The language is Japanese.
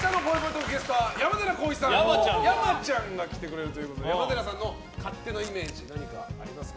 トークゲストは山寺宏一さん山ちゃんが来てくれるということで山寺さんの勝手なイメージ何かありますか？